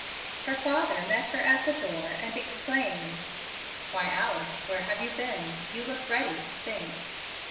Her father met her at the door, and exclaimed, "Why, Alice, where have you been? You look ready to sink!"